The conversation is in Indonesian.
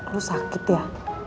lu sakit ya